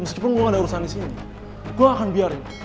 meskipun gue gak ada urusan di sini gue akan biarin